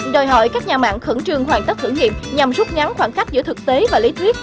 đòi hỏi các nhà mạng khẩn trương hoàn tất thử nghiệm nhằm rút ngắn khoảng cách giữa thực tế và lý thuyết